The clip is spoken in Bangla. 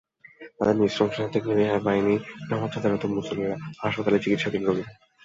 তাদের নৃশংসতা থেকে রেহাই পায়নি নামাজ আদায়রত মুসল্লিরা, হাসপাতালে চিকিত্সাধীন রোগীরা।